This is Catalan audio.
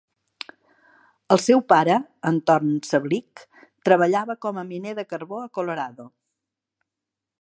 El seu pare, Anton Sablich, treballava com a miner de carbó a Colorado.